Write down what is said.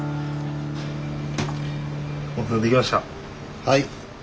はい。